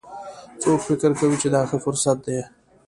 څوک فکر کوي چې دا ښه فرصت ده